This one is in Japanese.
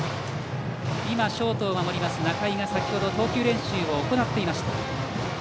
今、ショートを守る仲井が先程、投球練習を行っていました。